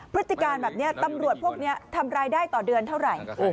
พฤติการแบบนี้ตำรวจพวกนี้ทำรายได้ต่อเดือนเท่าไหร่